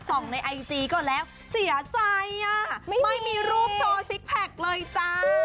ในไอจีก่อนแล้วเสียใจอ่ะไม่มีรูปโชว์ซิกแพคเลยจ้า